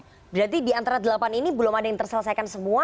oke berarti di antara delapan ini belum ada yang terselesaikan semua